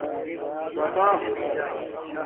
دَادَاہ